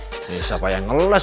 useless apa yang ngeles